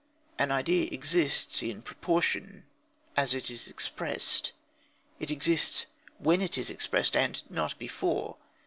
An idea exists in proportion as it is expressed; it exists when it is expressed, and not before.